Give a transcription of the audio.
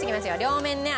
両面ね